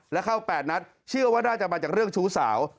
แล้วเข้า๘นัดเชื่อว่าน่าจะมาจากเรื่องชู้สาว